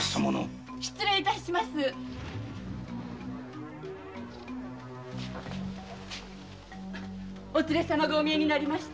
・失礼致しますお連れ様がお見えになりました。